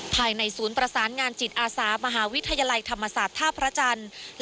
ภายในศูนย์ประสานงานจิตอาสามหาวิทยาลัยธรรมศาสตร์ท่าพระจันทร์